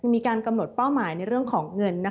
มีการกำหนดเป้าหมายในเรื่องของเงิน